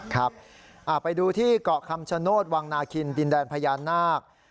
ครับไปดูที่เกาะคำชโนธวังนาคินดินแดนพญานาค